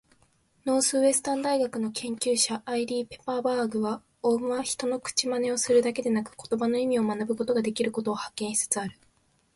ノースウエスタン大学の研究者、アイリーン・ペパーバーグは、オウムは人の口まねをするだけでなく言葉の意味を学ぶことができることを発見しつつある。